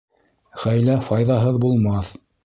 Хәйлә файҙаһыҙ булмаҫ.